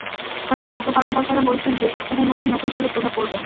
তবে খাদ্য কর্মকর্তারা বলছেন, দুই সপ্তাহের মধ্যে নতুন চালের প্রভাব পড়বে।